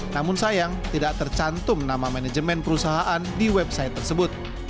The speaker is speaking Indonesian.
namun sayang tidak tercantum nama manajemen perusahaan di website tersebut